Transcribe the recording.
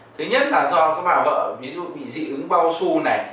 thứ nhất là do các bà vợ ví dụ bị dị ứng bao su này